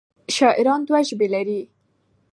شاعران دوه ژبې لري.